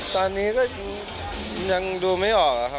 ตอนนี้ก็ยังดูไม่ออกครับ